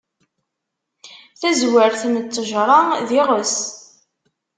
Tazwert n ttejṛa, d iɣes.